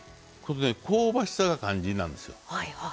香ばしさが肝心なんですよ。